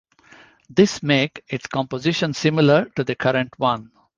This make its composition similar to the current one.